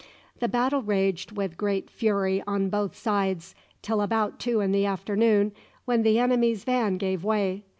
The battle raged with great fury on both sides till about two in the afternoon, when the enemy's van gave way.